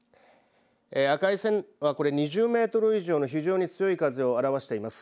赤い線は２０メートル以上の非常に強い風を表しています。